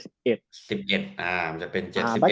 สิบเอ็ดอ่ามันจะเป็น๑๗